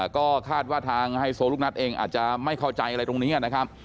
ก็คาดว่าทางไฮโซลูกนัทเองอาจจะไม่เข้าใจอะไรตรงนี้นะครับ